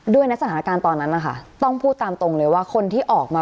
ด้วยในสถานการณ์ตอนนั้นนะคะต้องพูดตามตรงเลยว่าคนที่ออกมา